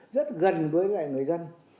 rất gần với người dân